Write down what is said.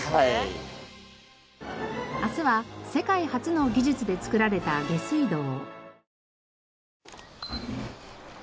明日は世界初の技術で作られた下水道。